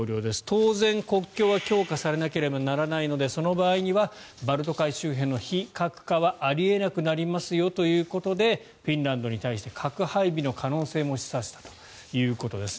当然、国境は強化されなければいけないのでその場合にはバルト海周辺の非核化はあり得なくなりますよということでフィンランドに対して核配備の可能性も示唆したということです。